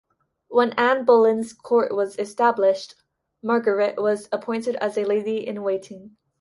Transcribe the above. When Anne Boleyn's court was established, Margaret was appointed as a lady-in-waiting.